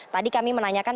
tadi kami menanyakan